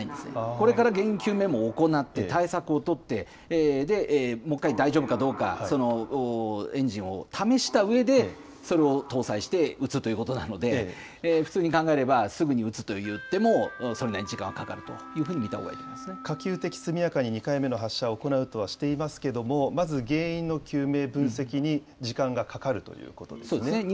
これから原因究明も行って、対策を取って、で、もう１回大丈夫かどうか、エンジンを試したうえで、それを搭載して撃つということなので、普通に考えれば、すぐに撃つといっても、それなりに時間はかかると見たほうがいい可及的速やかに２回目の発射を行うとはしていますけれども、まず原因の究明、分析に時間がかそうですね。